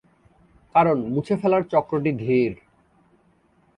কারণ মুছে ফেলার চক্রটি ধীর।